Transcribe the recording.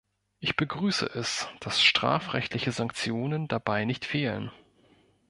Ich begrüße es, dass strafrechtliche Sanktionen dabei nicht fehlen.